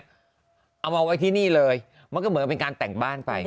เอามาไว้ที่นี่เลยมันก็เหมือนเป็นการแต่งบ้านไป